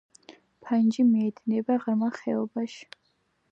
ფანჯი მიედინება ღრმა ხეობაში.